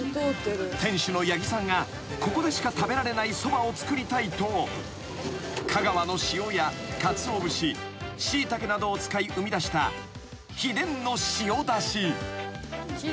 ［店主の八木さんがここでしか食べられないそばを作りたいと香川の塩やかつお節シイタケなどを使い生みだした秘伝の塩だし］